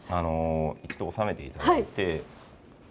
一度収めて頂いて。